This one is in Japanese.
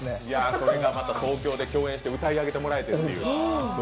それがまた東京で共演して歌い上げてもらってと。